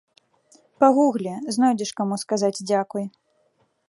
Пагуглі, знойдзеш каму сказаць дзякуй.